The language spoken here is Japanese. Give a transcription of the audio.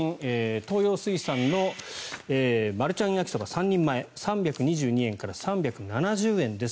東洋水産のマルちゃん焼そば３人前３２２円から３７０円です。